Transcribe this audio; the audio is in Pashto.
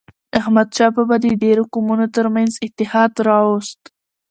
احمدشاه بابا د ډیرو قومونو ترمنځ اتحاد راووست.